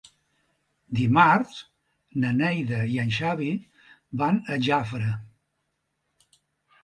Dimarts na Neida i en Xavi van a Jafre.